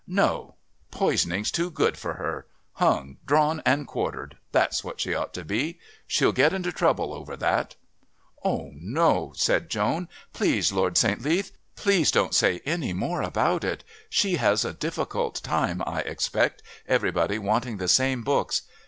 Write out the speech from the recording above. No, poisoning's too good for her. Hung, drawn and quartered. That's what she ought to be. She'll get into trouble over that." "Oh no," said Joan. "Please, Lord St. Leath, don't say any more about it. She has a difficult time, I expect, everybody wanting the same books.